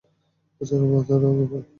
বেচারা মাধানা গোপাল।